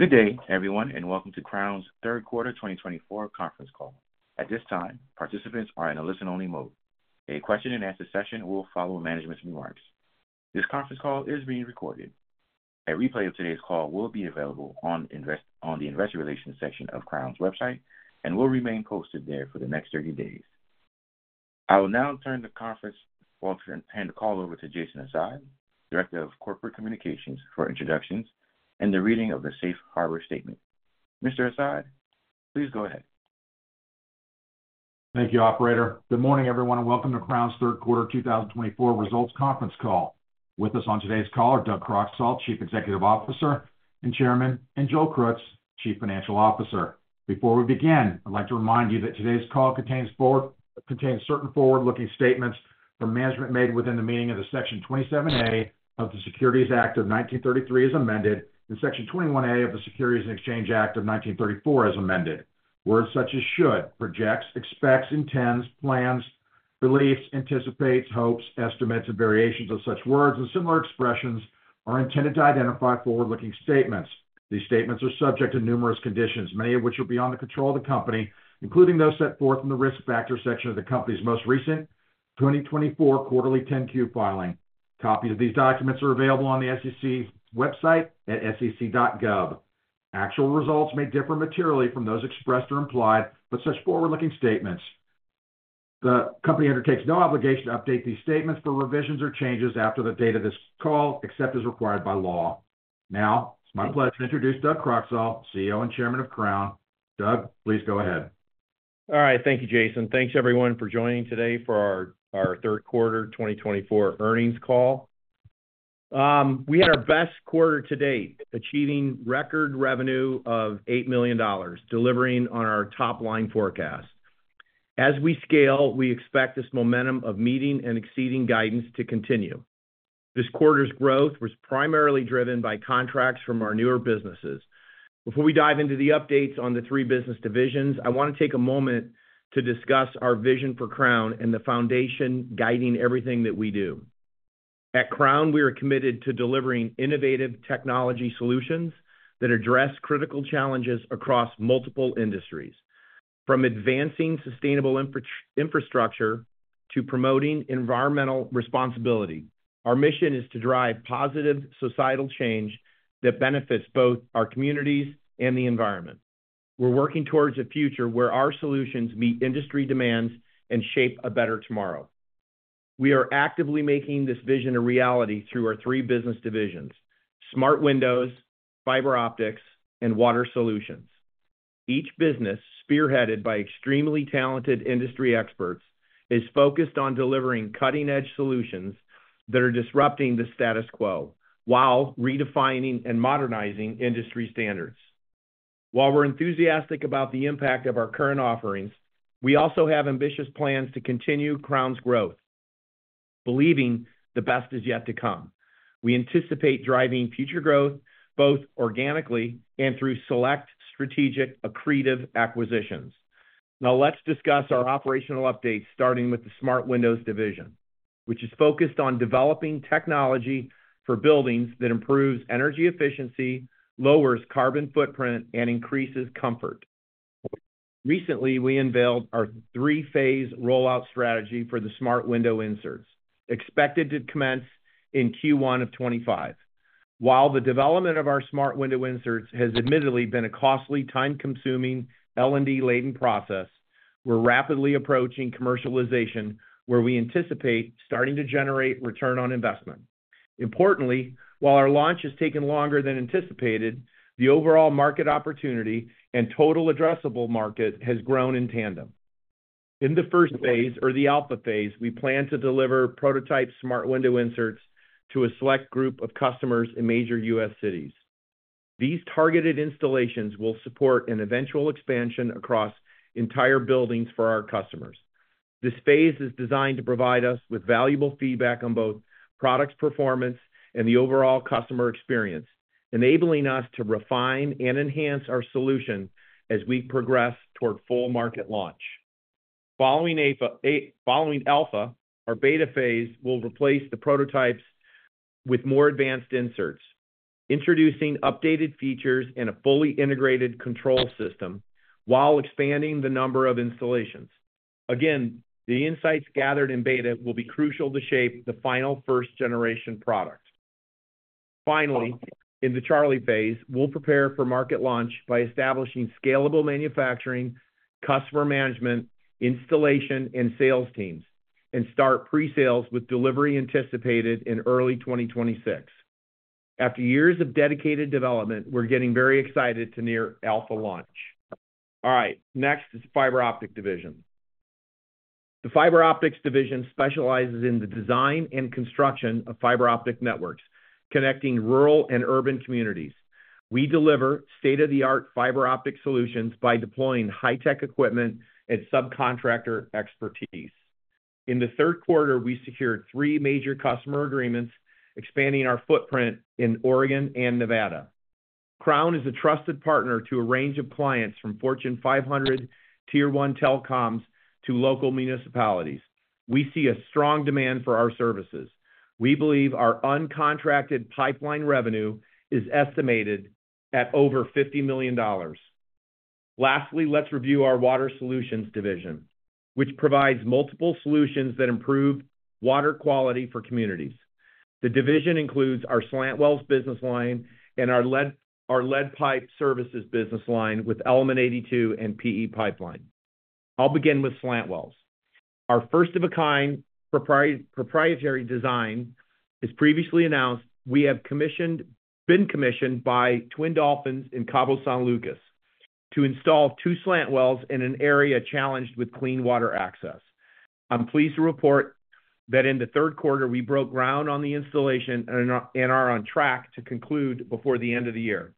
Good day, everyone, and welcome to Crown's third quarter 2024 conference call. At this time, participants are in a listen-only mode. A question-and-answer session will follow management's remarks. This conference call is being recorded. A replay of today's call will be available on the investor relations section of Crown's website and will remain posted there for the next 30 days. I will now turn the call over to Jason Asad, Director of Corporate Communications, for introductions and the reading of the Safe Harbor Statement. Mr. Asad, please go ahead. Thank you, Operator. Good morning, everyone, and welcome to Crown's third quarter 2024 results conference call. With us on today's call are Doug Croxall, Chief Executive Officer and Chairman, and Joel, Chief Financial Officer. Before we begin, I'd like to remind you that today's call contains certain forward-looking statements from management made within the meaning of Section 27A of the Securities Act of 1933 as amended, and Section 21E of the Securities Exchange Act of 1934 as amended. Words such as should, projects, expects, intends, plans, beliefs, anticipates, hopes, estimates, and variations of such words and similar expressions are intended to identify forward-looking statements. These statements are subject to numerous conditions, many of which are beyond the control of the company, including those set forth in the risk factor section of the company's most recent 2024 quarterly 10-Q filing. Copies of these documents are available on the SEC website at sec.gov. Actual results may differ materially from those expressed or implied in such forward-looking statements. The company undertakes no obligation to update these statements for revisions or changes after the date of this call, except as required by law. Now, it's my pleasure to introduce Doug Croxall, CEO and Chairman of Crown. Doug, please go ahead. All right. Thank you, Jason. Thanks, everyone, for joining today for our third quarter 2024 earnings call. We had our best quarter to date, achieving record revenue of $8 million, delivering on our top-line forecast. As we scale, we expect this momentum of meeting and exceeding guidance to continue. This quarter's growth was primarily driven by contracts from our newer businesses. Before we dive into the updates on the three business divisions, I want to take a moment to discuss our vision for Crown and the foundation guiding everything that we do. At Crown, we are committed to delivering innovative technology solutions that address critical challenges across multiple industries. From advancing sustainable infrastructure to promoting environmental responsibility, our mission is to drive positive societal change that benefits both our communities and the environment. We're working towards a future where our solutions meet industry demands and shape a better tomorrow. We are actively making this vision a reality through our three business divisions: smart windows, fiber optics, and water solutions. Each business, spearheaded by extremely talented industry experts, is focused on delivering cutting-edge solutions that are disrupting the status quo while redefining and modernizing industry standards. While we're enthusiastic about the impact of our current offerings, we also have ambitious plans to continue Crown's growth, believing the best is yet to come. We anticipate driving future growth both organically and through select strategic accretive acquisitions. Now, let's discuss our operational updates, starting with the smart windows division, which is focused on developing technology for buildings that improves energy efficiency, lowers carbon footprint, and increases comfort. Recently, we unveiled our three-phase rollout strategy for the smart window inserts, expected to commence in Q1 of 2025. While the development of our smart window inserts has admittedly been a costly, time-consuming, R&D-laden process, we're rapidly approaching commercialization, where we anticipate starting to generate return on investment. Importantly, while our launch has taken longer than anticipated, the overall market opportunity and total addressable market has grown in tandem. In the first phase, or the alpha phase, we plan to deliver prototype smart window inserts to a select group of customers in major U.S. cities. These targeted installations will support an eventual expansion across entire buildings for our customers. This phase is designed to provide us with valuable feedback on both product performance and the overall customer experience, enabling us to refine and enhance our solution as we progress toward full market launch. Following Alpha, our Beta Phase will replace the prototypes with more advanced inserts, introducing updated features and a fully integrated control system while expanding the number of installations. Again, the insights gathered in Beta will be crucial to shape the final first-generation product. Finally, in the Charlie Phase, we'll prepare for market launch by establishing scalable manufacturing, customer management, installation, and sales teams, and start pre-sales with delivery anticipated in early 2026. After years of dedicated development, we're getting very excited to near Alpha launch. All right. Next is the fiber optic division. The fiber optics division specializes in the design and construction of fiber optic networks connecting rural and urban communities. We deliver state-of-the-art fiber optic solutions by deploying high-tech equipment and subcontractor expertise. In the third quarter, we secured three major customer agreements, expanding our footprint in Oregon and Nevada. Crown is a trusted partner to a range of clients, from Fortune 500 tier one telecoms to local municipalities. We see a strong demand for our services. We believe our uncontracted pipeline revenue is estimated at over $50 million. Lastly, let's review our water solutions division, which provides multiple solutions that improve water quality for communities. The division includes our slant wells business line and our lead pipe services business line with Element 82 and PE Pipelines. I'll begin with slant wells. Our first-of-a-kind proprietary design is previously announced. We have been commissioned by Twin Dolphin in Cabo San Lucas to install two slant wells in an area challenged with clean water access. I'm pleased to report that in the third quarter, we broke ground on the installation and are on track to conclude before the end of the year.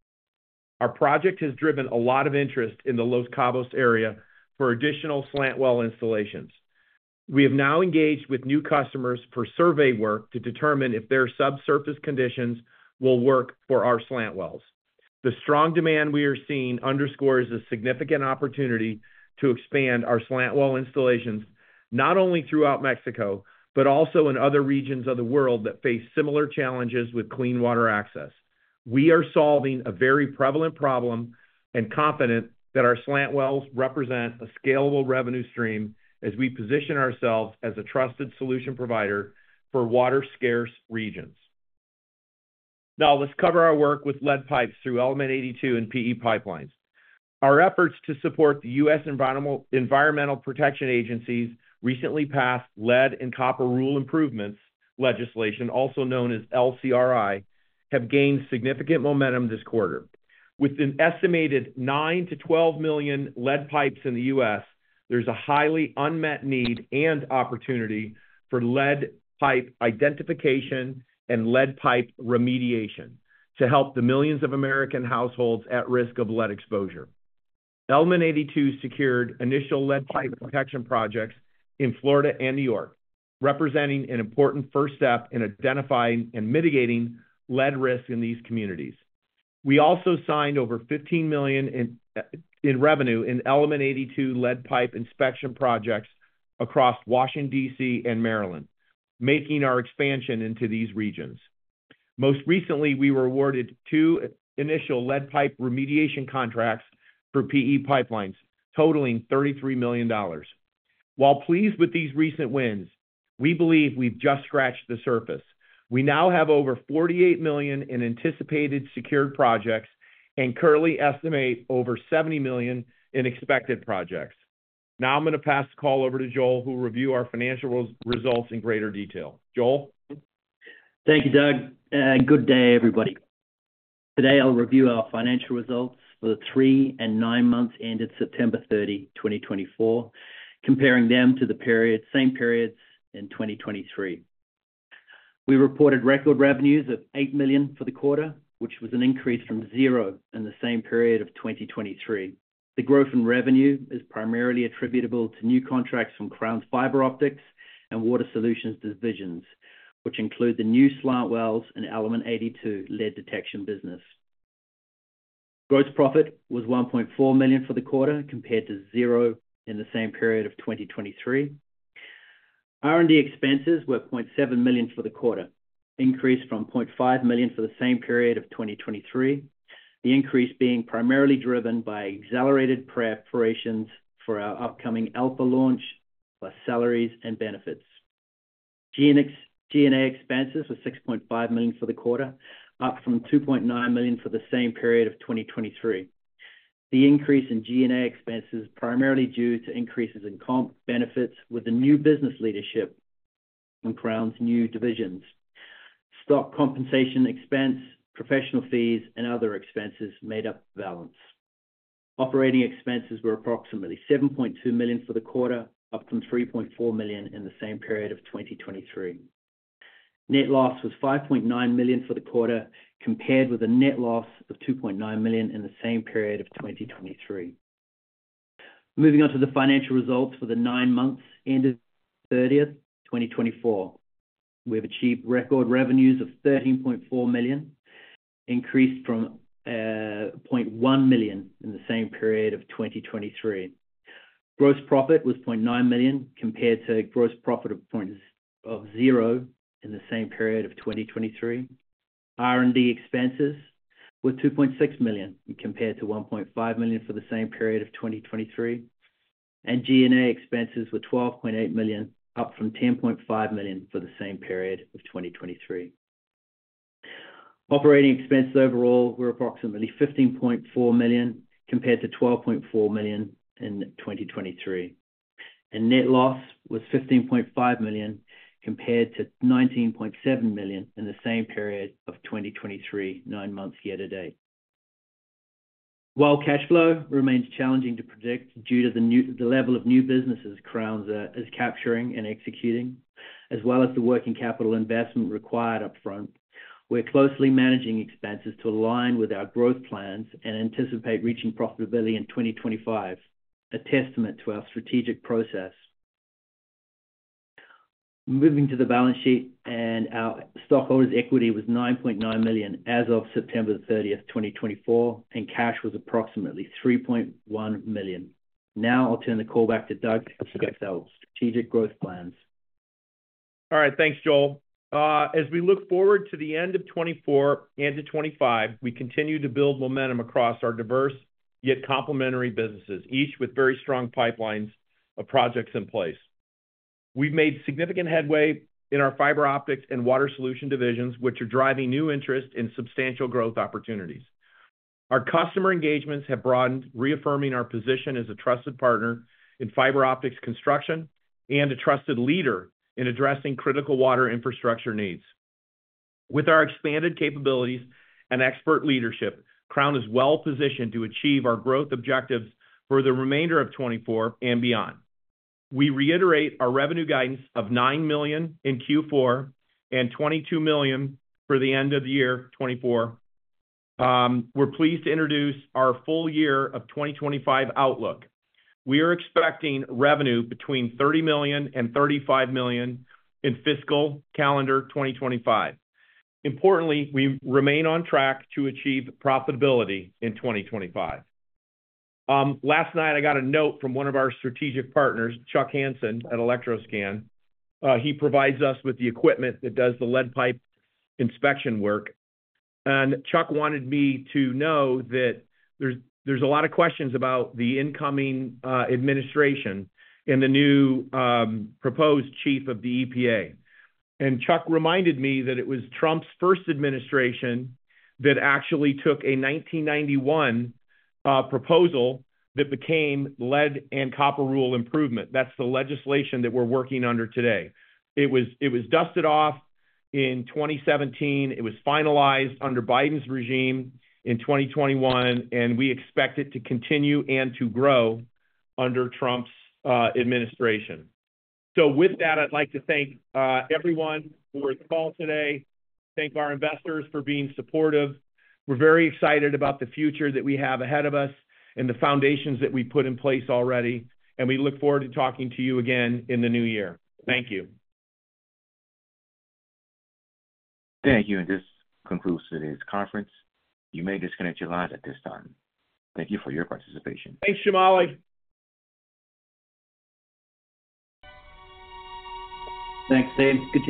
Our project has driven a lot of interest in the Los Cabos area for additional slant well installations. We have now engaged with new customers for survey work to determine if their subsurface conditions will work for our slant wells. The strong demand we are seeing underscores a significant opportunity to expand our slant well installations not only throughout Mexico, but also in other regions of the world that face similar challenges with clean water access. We are solving a very prevalent problem and confident that our slant wells represent a scalable revenue stream as we position ourselves as a trusted solution provider for water-scarce regions. Now, let's cover our work with lead pipes through Element 82 and PE Pipelines Services. Our efforts to support the U.S. Environmental Protection Agency's recently passed Lead and Copper Rule Improvements legislation, also known as LCRI, have gained significant momentum this quarter. With an estimated 9-12 million lead pipes in the U.S. There's a highly unmet need and opportunity for lead pipe identification and lead pipe remediation to help the millions of American households at risk of lead exposure. Element 82 secured initial lead pipe protection projects in Florida and New York, representing an important first step in identifying and mitigating lead risk in these communities. We also signed over $15 million in revenue in Element 82 lead pipe inspection projects across Washington, D.C., and Maryland, making our expansion into these regions. Most recently, we were awarded two initial lead pipe remediation contracts for PE Pipelines Services, totaling $33 million. While pleased with these recent wins, we believe we've just scratched the surface. We now have over $48 million in anticipated secured projects and currently estimate over $70 million in expected projects. Now, I'm going to pass the call over to Joel, who will review our financial results in greater detail. Joel. Thank you, Doug. Good day, everybody. Today, I'll review our financial results for the three and nine months ended September 30, 2024, comparing them to the same periods in 2023. We reported record revenues of $8 million for the quarter, which was an increase from zero in the same period of 2023. The growth in revenue is primarily attributable to new contracts from Crown's fiber optics and water solutions divisions, which include the new slant wells and Element 82 lead detection business. Gross profit was $1.4 million for the quarter, compared to zero in the same period of 2023. R&D expenses were $0.7 million for the quarter, increased from $0.5 million for the same period of 2023, the increase being primarily driven by accelerated preparations for our upcoming alpha launch plus salaries and benefits. 8G&A expenses were $6.5 million for the quarter, up from $2.9 million for the same period of 2023. The increase in G&A expenses is primarily due to increases in comp benefits with the new business leadership and Crown's new divisions, stock compensation expense, professional fees, and other expenses made up the balance. Operating expenses were approximately $7.2 million for the quarter, up from $3.4 million in the same period of 2023. Net loss was $5.9 million for the quarter, compared with a net loss of $2.9 million in the same period of 2023. Moving on to the financial results for the nine months ended the 30th, 2024. We have achieved record revenues of $13.4 million, increased from $0.1 million in the same period of 2023. Gross profit was $0.9 million, compared to a gross profit of $0.00 in the same period of 2023. R&D expenses were $2.6 million, compared to $1.5 million for the same period of 2023. G&A expenses were $12.8 million, up from $10.5 million for the same period of 2023. Operating expenses overall were approximately $15.4 million, compared to $12.4 million in 2023. Net loss was $15.5 million, compared to $19.7 million in the same period of 2023, nine months year to date. While cash flow remains challenging to predict due to the level of new businesses Crown is capturing and executing, as well as the working capital investment required upfront, we're closely managing expenses to align with our growth plans and anticipate reaching profitability in 2025, a testament to our strategic process. Moving to the balance sheet, and our stockholders' equity was $9.9 million as of September 30, 2024, and cash was approximately $3.1 million. Now, I'll turn the call back to Doug to discuss our strategic growth plans. All right. Thanks, Joel. As we look forward to the end of 2024 and to 2025, we continue to build momentum across our diverse yet complementary businesses, each with very strong pipelines of projects in place. We've made significant headway in our fiber optics and water solution divisions, which are driving new interest in substantial growth opportunities. Our customer engagements have broadened, reaffirming our position as a trusted partner in fiber optics construction and a trusted leader in addressing critical water infrastructure needs. With our expanded capabilities and expert leadership, Crown is well-positioned to achieve our growth objectives for the remainder of 2024 and beyond. We reiterate our revenue guidance of $9 million in Q4 and $22 million for the end of the year 2024. We're pleased to introduce our full year of 2025 outlook. We are expecting revenue between $30 million and $35 million in fiscal calendar 2025. Importantly, we remain on track to achieve profitability in 2025. Last night, I got a note from one of our strategic partners, Chuck Hansen at Electro Scan. He provides us with the equipment that does the lead pipe inspection work, and Chuck wanted me to know that there's a lot of questions about the incoming administration and the new proposed chief of the EPA, and Chuck reminded me that it was Trump's first administration that actually took a 1991 proposal that became lead and copper rule improvements. That's the legislation that we're working under today. It was dusted off in 2017. It was finalized under Biden's regime in 2021, and we expect it to continue and to grow under Trump's administration, so with that, I'd like to thank everyone for the call today. I thank our investors for being supportive. We're very excited about the future that we have ahead of us and the foundations that we've put in place already. We look forward to talking to you again in the new year. Thank you. Thank you. And this concludes today's conference. You may disconnect your lines at this time. Thank you for your participation. Thanks, Jamali. Thanks, Steve. Good.